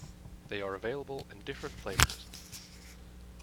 They are available in different flavors.